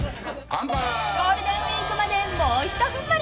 ［ゴールデンウイークまでもうひと踏ん張り］